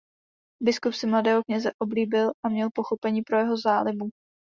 Biskup si mladého kněze oblíbil a měl pochopení pro jeho zálibu.